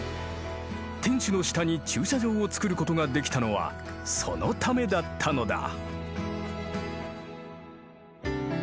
天守の下に駐車場を作ることができたのはそのためだったのだ。